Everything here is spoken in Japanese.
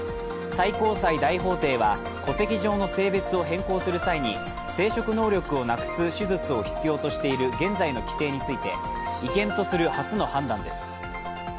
最高裁大法廷は戸籍上の性別を変更する際に生殖能力をなくす手術を必要としている現在の規定について違憲とする初の判断です。